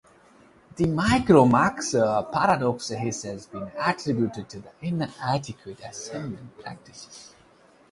The micro-macro paradox has also been attributed to inadequate assessment practices.